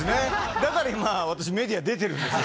だから今、私、メディア出てるんですよ。